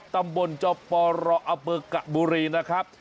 ตำบลจปรอเบิกะบุรีนะครับ